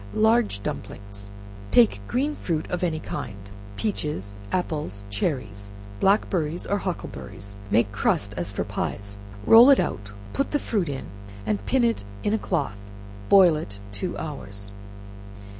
Large Dumplings. Take green fruit of any kind peaches, apples, cherries, blackberries, or huckleberries, make crust as for pies, roll it out, put in the fruit, and pin it in a cloth, boil it two hours.